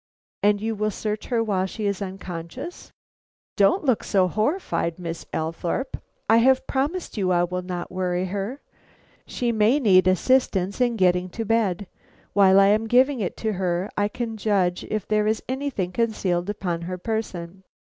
"And you will search her while she is unconscious?" "Don't look so horrified, Miss Althorpe. I have promised you I will not worry her. She may need assistance in getting to bed. While I am giving it to her I can judge if there is anything concealed upon her person."